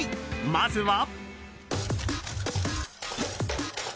まずは。